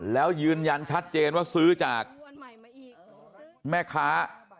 แล้วยืนยันชัดเจนว่าซื้อจากแม่ค้า